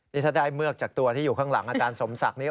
นี่ถ้าได้เมือกจากตัวที่อยู่ข้างหลังอาจารย์สมศักดิ์